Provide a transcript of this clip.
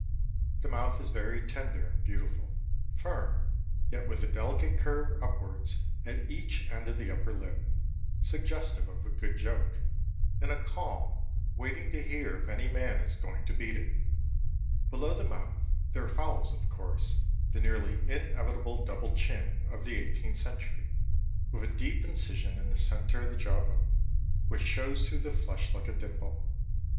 The mouth is very tender and beautiful, firm, yet with a delicate curve upwards at each end of the upper lip, suggestive of a good joke, and of a calm waiting to hear if any man is going to beat it. Below the mouth there follows of course the nearly inevitable double chin of the eighteenth century, with a deep incision in the centre of the jaw bone, which shows through the flesh like a dimple.